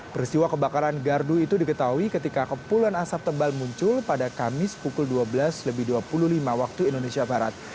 peristiwa kebakaran gardu itu diketahui ketika kepulan asap tebal muncul pada kamis pukul dua belas lebih dua puluh lima waktu indonesia barat